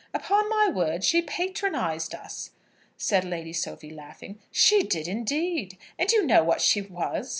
"Upon my word, she patronised us," said Lady Sophie, laughing. "She did, indeed! And you know what she was.